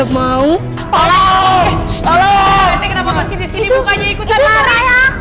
mah glad tapi